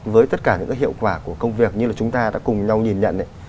với tất cả những hiệu quả của công việc như là chúng ta đã cùng nhau nhìn nhận ấy